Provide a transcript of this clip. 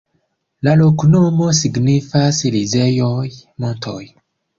La loknomo signifas: rizejoj-montoj.